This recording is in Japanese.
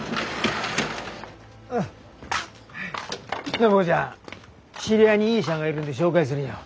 あっ暢子ちゃん知り合いにいい医者がいるんで紹介するよ。